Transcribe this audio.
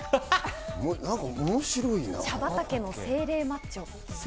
茶畑の精霊マッチョ。